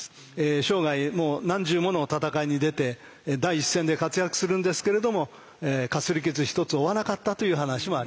生涯もう何十もの戦いに出て第一線で活躍するんですけれどもかすり傷一つ負わなかったという話もあります。